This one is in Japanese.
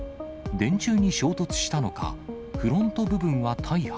電柱に衝突したのか、フロント部分は大破。